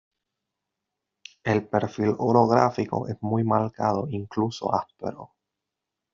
El perfil orográfico es muy marcado, incluso áspero.